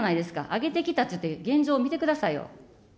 上げてきたって言って、現状を見てくださいよ。